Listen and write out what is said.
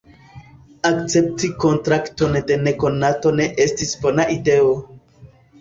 "Akcepti kontrakton de nekonato ne estis bona ideo!"